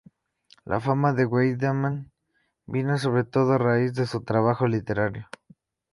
La fama de Wiedemann vino sobre todo a raíz de su trabajo literario.